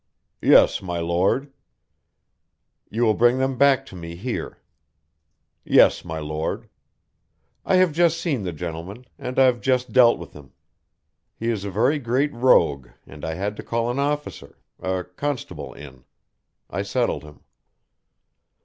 "Yes, my Lord." "You will bring them back to me here." "Yes, my Lord." "I have just seen the gentleman, and I've just dealt with him. He is a very great rogue and I had to call an officer a constable in. I settled him."